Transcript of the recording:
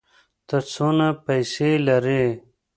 ته څونه پېسې لرې؟